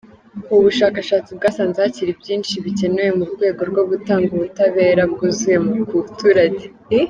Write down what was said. Ubu bushakshatsi bwasanze hakiri byinshi bikenewe mu rwego rwo gutanga ubutabera bwuzuye ku buturage.